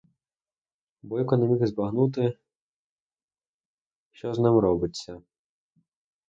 Бойко не міг збагнути, що з ним робиться.